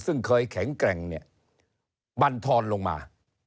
ซึ่งเคยแข็งแกร่งเนี่ยบรรทอนลงมา